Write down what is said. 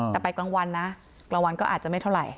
แต่ไปกลางวันนะกลางวันก็อาจจะไม่เท่าไหร่